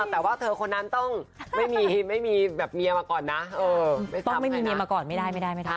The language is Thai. แต่ว่าเธอคนนั้นต้องไม่มีแบบเมียมาก่อนนะไม่มีเมียมาก่อนไม่ได้ไม่ได้